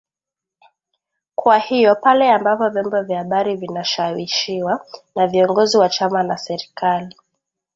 Kwa hiyo pale ambapo vyombo vya habari vinashawishiwa na viongozi wa chama na serikali